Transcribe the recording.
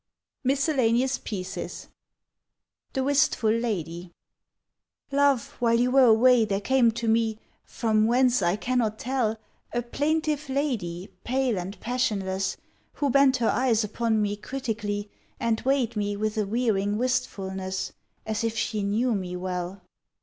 MISCELLANEOUS PIECES THE WISTFUL LADY "LOVE, while you were away there came to me— From whence I cannot tell— A plaintive lady pale and passionless, Who bent her eyes upon me critically, And weighed me with a wearing wistfulness, As if she knew me well."